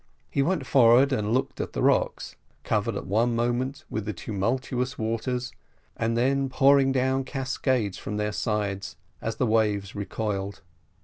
He went forward and looked at the rocks, covered at one moment with the tumultuous waters, and then pouring down cascades from their sides as the waves recoiled.